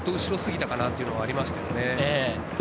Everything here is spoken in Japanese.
ちょっと後ろすぎたかなっていうのがありましたよね。